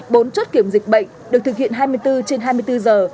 bốn chốt kiểm dịch bệnh được thực hiện hai mươi bốn trên hai mươi bốn giờ